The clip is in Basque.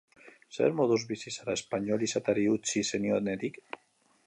Zer moduz bizi zara espainol izateari utzi zenionetik?